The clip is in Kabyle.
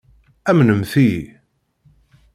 Amnemt-iyi.